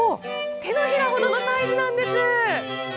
手のひらほどのサイズなんです。